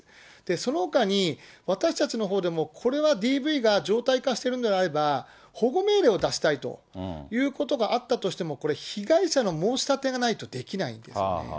そのほかに、私たちのほうでもこれはＤＶが常態化しているのであれば、保護命令を出したいということがあったとしても、これ、被害者の申し立てがないとできないんですよね。